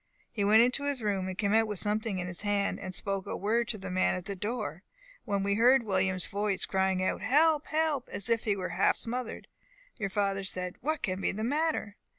He went into his room, came out with something in his hand, and spoke a word to the man at the door, when we heard William's voice, crying out, 'Help! help!' as if he was half smothered. Your father said, 'What can be the matter?